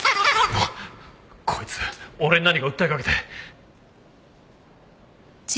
こいつ俺に何か訴えかけて。